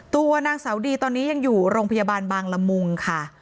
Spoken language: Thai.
ตัวนางสาวดีตอนนี้ยังอยู่โรงพยาบาลบางละมุงค่ะ